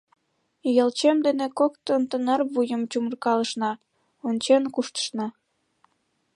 Ӱялчем дене коктын тынар вуйым чумыркалышна, ончен куштышна.